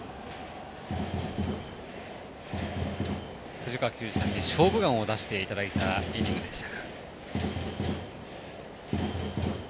藤川球児さんに「勝負眼」を出していただいたイニングでした。